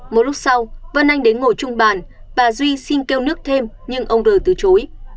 một lúc sau vân anh đến ngồi chung bàn bà duy xin kêu nước thêm nhưng ông r từ chối